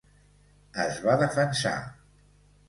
Es va defensar.